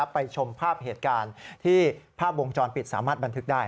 ไปชมภาพเหตุการณ์ที่ภาพวงจรปิดสามารถบันทึกได้